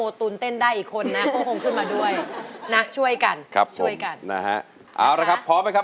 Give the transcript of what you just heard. ใบเตยเลือกใช้ได้๓แผ่นป้ายตลอดทั้งการแข่งขัน